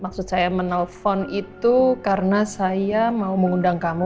maksud saya menelpon itu karena saya mau mengundang kamu